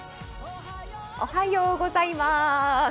おはようございます。